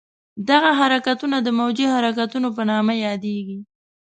دغه حرکتونه د موجي حرکتونو په نامه یادېږي.